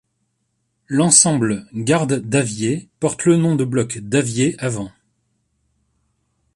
L'ensemble garde-daviers porte le nom de bloc davier avant.